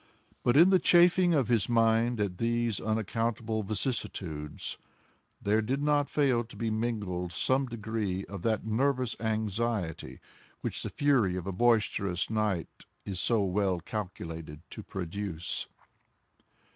But in the chafing of his mind at these unaccountable vicissitudes, there did not fail to be mingled some degree of that nervous anxiety which the fury of a boisterous night is so well calculated to produce.